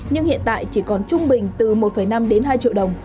nhưng hiện tại chỉ còn trung bình từ một năm đến hai triệu đồng